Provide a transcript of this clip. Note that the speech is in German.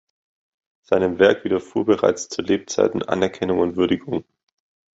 Seinem Werk widerfuhr bereits zu Lebzeiten Anerkennung und Würdigung.